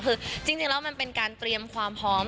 คือจริงแล้วมันเป็นการเตรียมความพร้อม